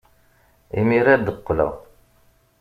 Imir-a ad d-qqleɣ.